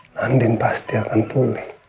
nandin pasti akan pulih